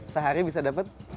sehari bisa dapat